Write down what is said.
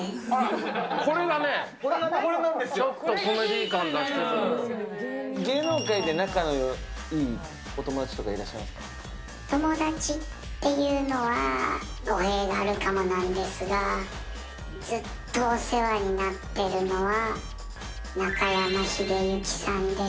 これがね、芸能界で仲のいいお友達とか友達っていうのは語弊があるかもなんですが、ずっとお世話になってるのは、中山秀征さんです。